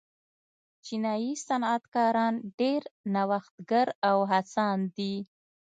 چینايي صنعتکاران ډېر نوښتګر او هڅاند دي.